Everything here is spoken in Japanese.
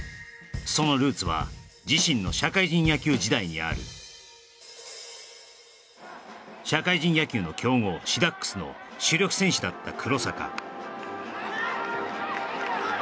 そのルーツは自身の社会人野球時代にある社会人野球の強豪ＳＨＩＤＡＸの主力選手だった黒坂